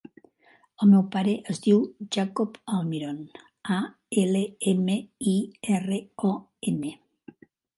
El meu pare es diu Jacob Almiron: a, ela, ema, i, erra, o, ena.